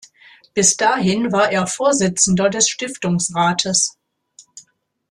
Bis dahin war er Vorsitzender des Stiftungsrates.